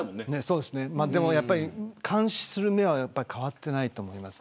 そうですね、でも監視の目は変わっていないと思います。